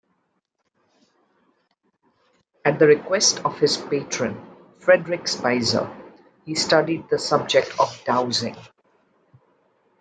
At the request of his patron Friedrich Spieser, he studied the subject of dowsing.